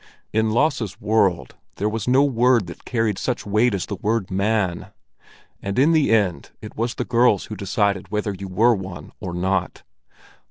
In Lasse's world there was no word that carried such weight as the word "man"; and in the end it was the girls who decided whether you were one or not.